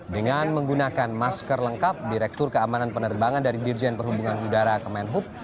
dengan menggunakan masker lengkap direktur keamanan penerbangan dari dirjen perhubungan udara kemenhub